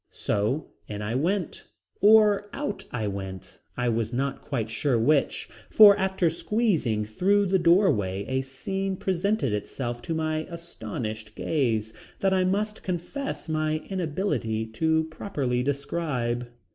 So in I went. Or out I went, I was not quite sure which, for after squeezing through the doorway a scene presented itself to my astonished gaze that I must confess my inability to properly describe.